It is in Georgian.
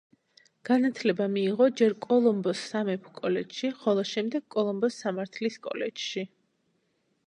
განათლება მიიღო ჯერ კოლომბოს სამეფო კოლეჯში, ხოლო შემდეგ კოლომბოს სამართლის კოლეჯში.